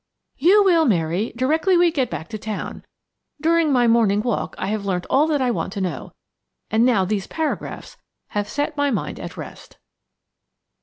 "You will, Mary, directly we get back to town. During my morning walk I have learnt all that I want to know, and now these paragraphs have set my mind at rest."